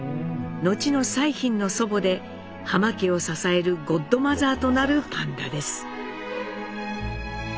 後の彩浜の祖母で浜家を支えるゴッドマザーとなるパンダです。